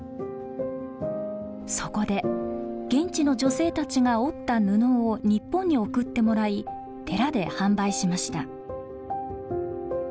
そこで現地の女性たちが織った布を日本に送ってもらい寺で販売しました。